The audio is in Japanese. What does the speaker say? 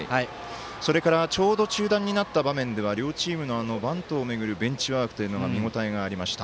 それからちょうど中断になった場面では両チームの、バントを巡るベンチワークというのが見応えがありました。